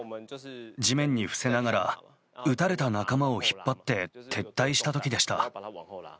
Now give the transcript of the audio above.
地面に伏せながら、撃たれた仲間を引っ張って撤退したときでした。